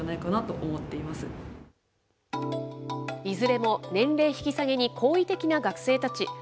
いずれも年齢引き下げに好意的な学生たち。